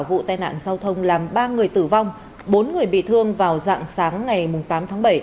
vụ tai nạn giao thông làm ba người tử vong bốn người bị thương vào dạng sáng ngày tám tháng bảy